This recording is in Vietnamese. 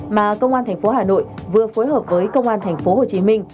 mà công an thành phố hà nội vừa phối hợp với công an thành phố hồ chí minh